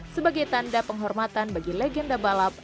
sebagai tanda penghormatan bagi legenda balap